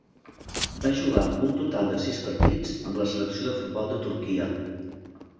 Va jugar un total de sis partits amb la selecció de futbol de Turquia.